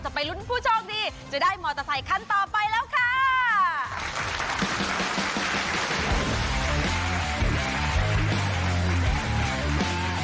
ทุภาคาราบาลแดงและฝาคันโจคคุณสอง